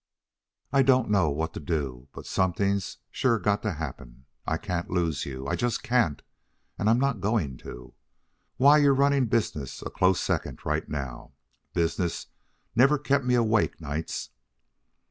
"I don't know what to do, but something's sure got to happen I can't lose you. I just can't. And I'm not going to. Why, you're running business a close second right now. Business never kept me awake nights.